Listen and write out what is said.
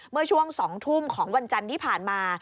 เมื่อช่วง๒ทุ่มของวันจันทร์ที่ผ่านมา